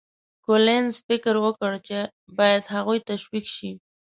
کولینز فکر وکړ چې باید هغوی تشویق شي.